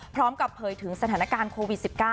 พร้อมกับเผยถึงสถานการณ์โควิด๑๙